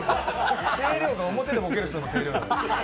声量が表でぼける人の声量なんだよ。